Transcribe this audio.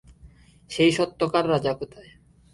সেই সত্যকার রাজা কোথায়?